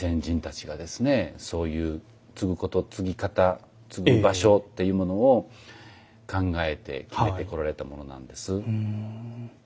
そういうつぐことつぎ方つぐ場所っていうものを考えて決めてこられたものなんです。